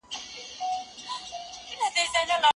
تاسي چيري سواست چي نن سهار مو له موږ سره چای ونه خوړ؟